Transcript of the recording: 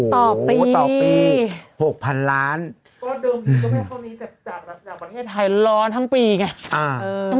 โอ้โหต่อปี๖๐๐๐ล้านก็เดิมที่ว่าเขามีจากประเทศไทยร้อนทั้งปีไง